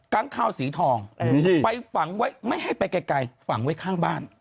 งข้าวสีทองไปฝังไว้ไม่ให้ไปไกลฝังไว้ข้างบ้าน